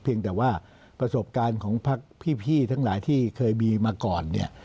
แต่ว่าประสบการณ์ของพักพี่ทั้งหลายที่เคยมีมาก่อนเนี่ย